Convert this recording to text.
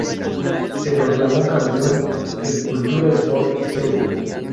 Se proclamó campeón el Cultura Sport Ceutí.